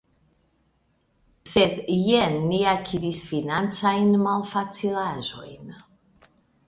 Sed jen ni akiris financajn malfacilaĵojn.